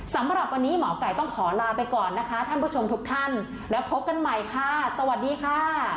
สำหรับวันนี้หมอไก่ต้องขอลาไปก่อนนะคะท่านผู้ชมทุกท่านแล้วพบกันใหม่ค่ะสวัสดีค่ะ